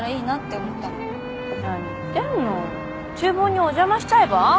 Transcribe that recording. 何言ってんのちゅう房にお邪魔しちゃえば？